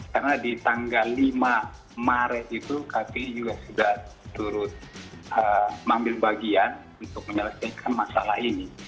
karena di tanggal lima maret itu kpi juga sudah turut mengambil bagian untuk menyelesaikan masalah ini